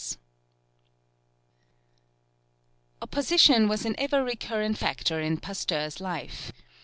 ] Opposition was an ever recurrent factor in Pasteur's life.